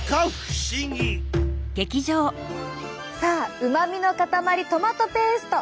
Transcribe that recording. さあうまみの塊トマトペースト。